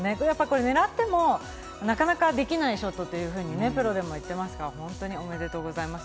狙ってもなかなかできないショットというふうにプロも言ってますから、本当におめでとうございます。